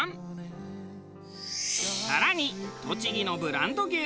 更に栃木のブランド牛